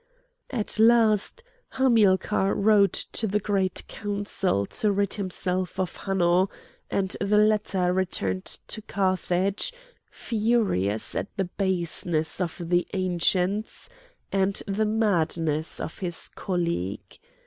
At last Hamilcar wrote to the Great Council to rid himself of Hanno, and the latter returned to Carthage furious at the baseness of the Ancients and the madness of his colleague.